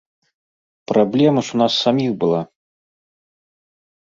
Праблема ж у нас саміх была.